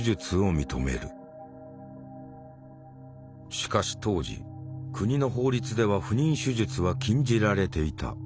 しかし当時国の法律では不妊手術は禁じられていた。